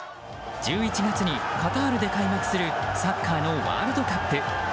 １１月にカタールで開幕するサッカーのワールドカップ。